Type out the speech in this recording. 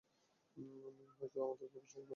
Ming, হয়তো আমাদের ওকে বিশ্বাস করা উচিৎ।